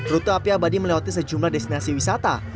rute api abadi melewati sejumlah destinasi wisata